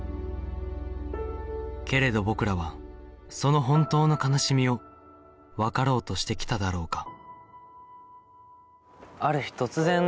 けれど僕らはその本当の悲しみをわかろうとしてきただろうか？